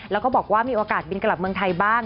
แล้วก็บอกว่ามีโอกาสบินกลับเมืองไทยบ้าง